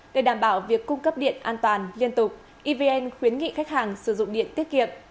để đảm bảo việc cung cấp điện an toàn liên tục evn khuyến nghị khách hàng sử dụng điện tiết kiệm